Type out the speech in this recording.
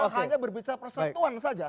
kalau negara hanya berbicara persatuan saja